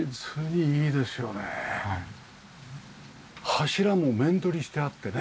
柱も面取りしてあってね。